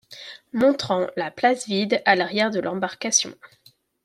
montrant la place vide à l’arrière de l’embarcation.